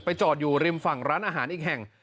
จอดอยู่ริมฝั่งร้านอาหารอีกแห่ง